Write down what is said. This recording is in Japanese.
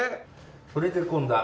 それで今度は。